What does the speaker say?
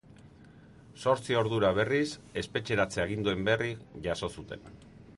Zortzi ordura, berriz, espetxeratze aginduen berri jaso zuten.